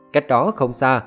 cách đó không xa